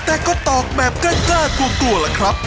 แต่ก็ตอกแบบใกล้ก็ดกลัวแล้วครับ